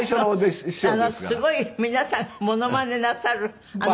すごい皆さんモノマネなさるあの方。